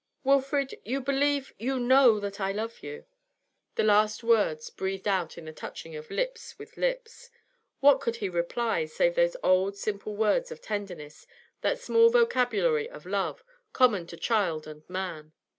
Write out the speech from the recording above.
'Wilfrid you believe you know that I love you?' The last word breathed out in the touching of lips with lips. What could he reply, save those old, simple words of tenderness, that small vocabulary of love, common to child and man?